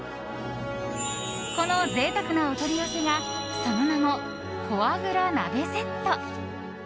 このぜいたくなお取り寄せがその名もフォアグラ鍋セット。